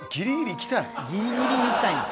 ギリギリにいきたいんです。